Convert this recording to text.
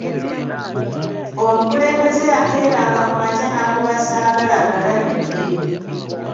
Omukulembeze yakeeranga ku makya n'akuba Saagalaagalamidde.